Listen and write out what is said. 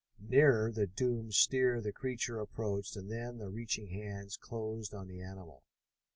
Nearer the doomed steer the creature approached, and then the reaching hands closed on the animal.